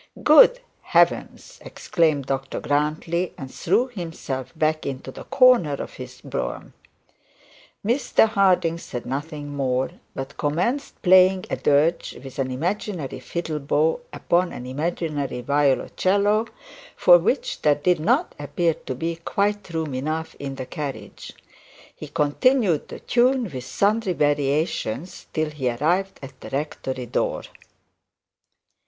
'Good heavens!' exclaimed Dr Grantly, and threw himself back into the corner of his brougham. Mr Harding said nothing more, but commenced playing a dirge, with an imaginary fiddle bow upon an imaginary violoncello, for which there did not appear to be quite room enough in the carriage; and he continued the tune, with sundry variations, till he arrived at the rectory door.